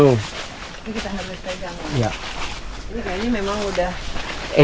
ini kita harus pegang ya